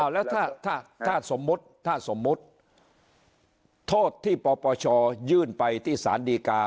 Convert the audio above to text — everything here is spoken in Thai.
แล้วถ้าสมมติโทษที่ปปชยื่นไปที่สารดีกา